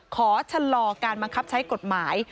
ขอชะลอการบังคับใช้กฎหมาย